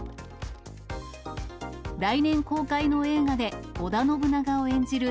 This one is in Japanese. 来年公開の映画で、織田信長を演じる